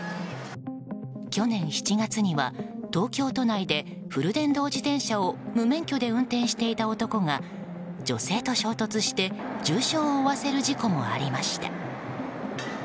去年７月には東京都内でフル電動自転車を無免許で運転していた男が女性と衝突して重傷を負わせる事故もありました。